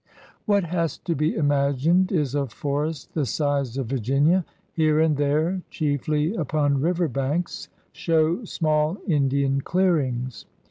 What has to be imaged is a forest the size of Virginia. Here and there, chiefly upon river banks, show small Indian clearings.